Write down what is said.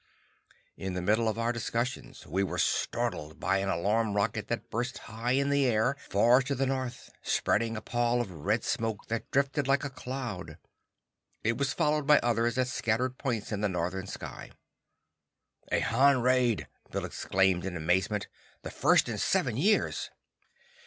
In the middle of our discussion, we were startled by an alarm rocket that burst high in the air, far to the north, spreading a pall of red smoke that drifted like a cloud. It was followed by others at scattered points in the northern sky. "A Han raid!" Bill exclaimed in amazement. "The first in seven years!"